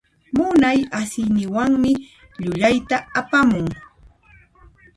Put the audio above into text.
Munay asiyninwanmi llullayta apamun.